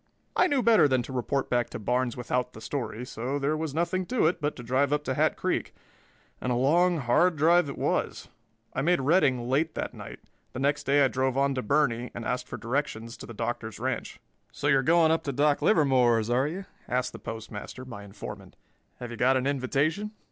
I knew better than to report back to Barnes without the story, so there was nothing to it but to drive up to Hat Creek, and a long, hard drive it was. I made Redding late that night; the next day I drove on to Burney and asked for directions to the Doctor's ranch. "So you're going up to Doc Livermore's, are you?" asked the Postmaster, my informant. "Have you got an invitation?"